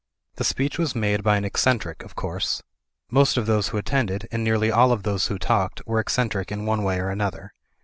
The speech was made by an eccentric, of course. Most of those who attended, and nearly all of those who talked, were eccentric in one way or another.